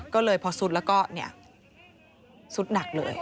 ก็เลยพอซุดแล้วก็สุดหนักเลย